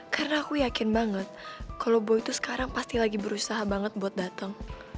karena aku yakin banget kalau boy itu sekarang pasti lagi berusaha banget buat datang